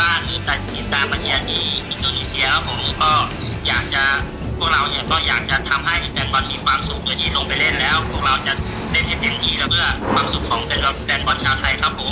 พวกเราจะเล่นให้เต็มที่เพื่อความสุขของแฟนบอลชาวไทยครับผม